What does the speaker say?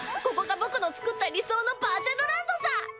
ここが僕の作った理想のバーチャルランドさ！